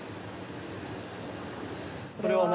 これは何。